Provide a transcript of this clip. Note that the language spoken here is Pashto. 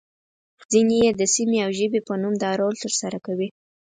ځینې يې د سیمې او ژبې په نوم دا رول ترسره کوي.